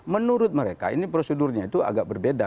menurut mereka ini prosedurnya itu agak berbeda